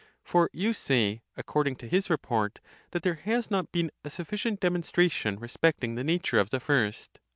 For you say, according to his report, that there has not been a sufficient demonstration respecting the nature of the first.